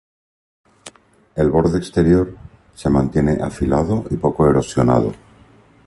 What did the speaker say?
El borde exterior se mantiene afilado y poco erosionado.